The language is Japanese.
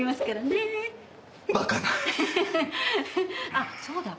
あっそうだ。